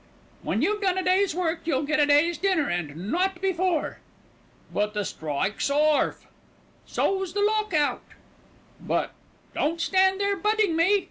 "When you've done a day's work you'll get a day's dinner, and not before." "But the strike's orf." "So's the lock out." "But " "Don't stand there 'butting' me.